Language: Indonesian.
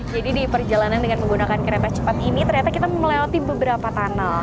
jadi di perjalanan dengan menggunakan kereta cepat ini ternyata kita melewati beberapa tunnel